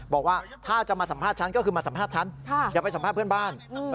บอกว่าถ้าจะมาสัมภาษณ์ฉันก็คือมาสัมภาษณ์ฉันอย่าไปสัมภาษณ์เพื่อนบ้าน